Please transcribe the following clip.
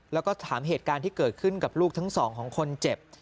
แล้วก็ถามเหตุการณ์ที่เกิดขึ้นกับลูกทั้งสองของคนเจ็บ